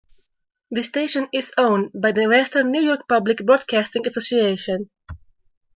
The station is owned by the Western New York Public Broadcasting Association.